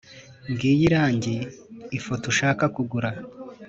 ngiyo irangi ifoto ushaka kugura.